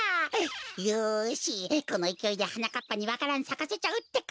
よしこのいきおいではなかっぱにわか蘭さかせちゃうってか！